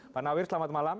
pak nawir selamat malam